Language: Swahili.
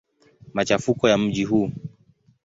Machafuko ya mji huu.